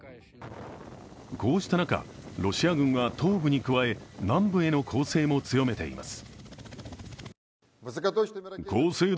こうした中、ロシア軍は東部に加え南部への攻勢も強めています。